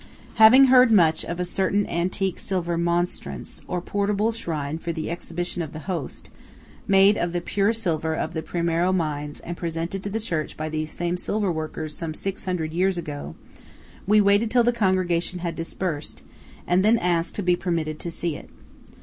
Having heard much of a certain antique silver Mostranz (or portable shrine for the exhibition of the Host) made of the pure silver of the Primiero mines and presented to the church by these same silver workers some six hundred years ago, we waited till the congregation had dispersed, and then asked to be permitted to see it.